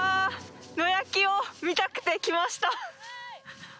野焼きを見たくて来ました。